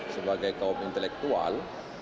sebagai kaum intelektual